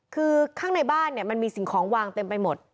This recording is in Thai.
คือข้างในบ้านเนี่ยมันมีสิ่งของวางเต็มไปหมด